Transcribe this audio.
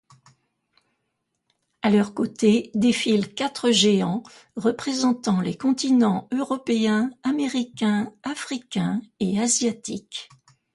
À leurs côtés, défilent quatre géants représentant les continents européen, américain, africain et asiatique.